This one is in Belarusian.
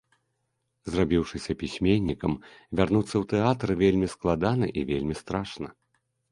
Зрабіўшыся пісьменнікам, вярнуцца ў тэатр вельмі складана і вельмі страшна.